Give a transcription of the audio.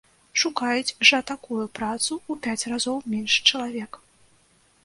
Шукаюць жа такую працу ў пяць разоў менш чалавек.